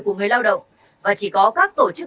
của người lao động và chỉ có các tổ chức